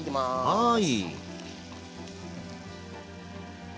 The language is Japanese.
はい。